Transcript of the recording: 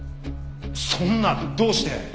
そんなどうして？